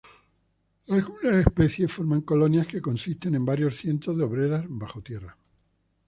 Algunas especies forman colonias que consisten en varios cientos de obreras bajo tierra.